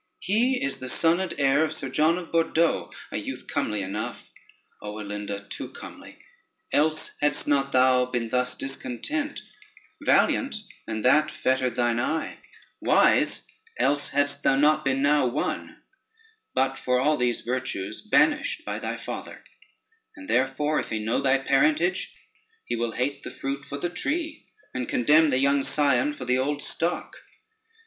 He is the son and heir of Sir John of Bordeaux, a youth comely enough: O Alinda, too comely, else hadst not thou been thus discontent; valiant, and that fettered thine eye; wise, else hadst thou not been now won; but for all these virtues banished by thy father, and therefore if he know thy parentage, he will hate the fruit for the tree, and condemn the young scion for the old stock.